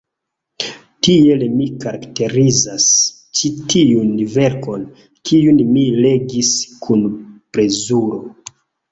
Tiel mi karakterizas ĉi tiun verkon, kiun mi legis kun plezuro.